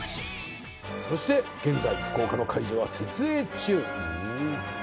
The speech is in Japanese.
そして現在福岡の会場は設営中